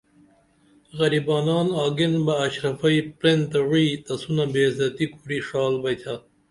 غریبانان آگین بہ اشرفئی پرنتہ وعی، تسونہ بے عزتی کُری ڜال بیئتھا